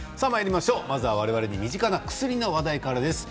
まずは我々に身近な薬の話題からです。